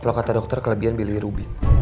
kalau kata dokter kelebihan beli rubik